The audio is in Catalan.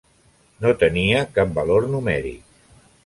No tenia cap valor numèric.